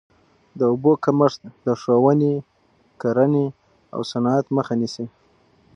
د اوبو کمښت د ښووني، کرهڼې او صنعت مخه نیسي.